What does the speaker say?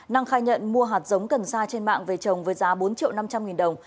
năng khai nhận mua hạt giống cần sa trên mạng về trồng với giá bốn triệu năm trăm linh nghìn đồng